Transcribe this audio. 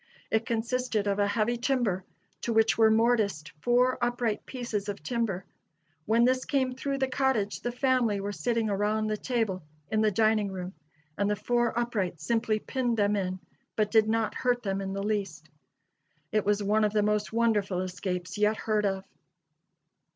It consisted of a heavy timber, to which were mortised four upright pieces of timber. When this came through the cottage the family were sitting around the table in the dining room, and the four uprights simply pinned them in but did not hurt them in the least. It was one of the most wonderful escapes yet heard of."